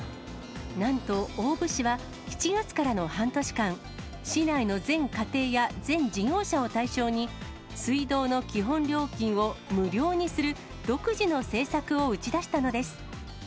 なんと大府市は、７月からの半年間、市内の全家庭や全事業者を対象に、水道の基本料金を無料にする独自の政策を打ち出したのです。